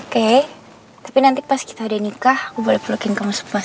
oke tapi nanti pas kita udah nikah aku boleh pelukin kamu sepuasnya kan